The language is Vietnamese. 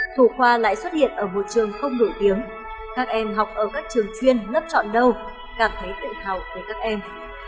thủ khoa lại xuất hiện ở một trường không nổi tiếng các em học ở các trường chuyên lớp chọn đâu cảm thấy tự hào với các em